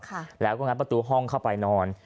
ครับแฮแล้วก็แมนประตูห้องเข้าไปนอน